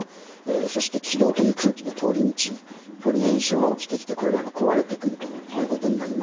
そして気道という空気の通り道ここに炎症が起きてきてこれらが壊れてくるということになります。